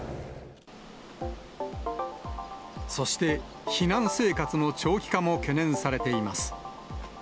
そして避難生活の長期化も懸念されています。